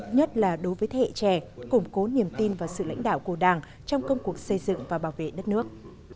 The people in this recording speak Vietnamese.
nhất là đối với thế hệ trẻ củng cố niềm tin và sự lãnh đạo của đảng trong công cuộc xây dựng và bảo vệ đất nước